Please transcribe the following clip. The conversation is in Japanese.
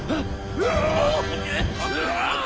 うわ！